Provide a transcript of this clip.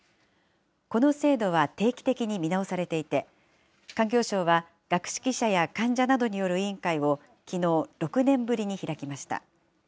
この制度は定期的に見直されていて、環境省は、学識者や患者などによる委員会を、きのう、６年ぶりに開きました。